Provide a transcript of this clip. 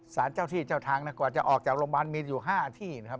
สารเจ้าที่เจ้าทางนะกว่าจะออกจากโรงพยาบาลมีอยู่๕ที่นะครับ